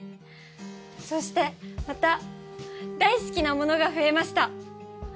そしてまた大好きなものが増えました。